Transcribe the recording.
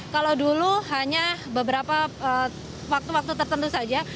kalau dulu hanya beberapa waktu waktu tertentu saja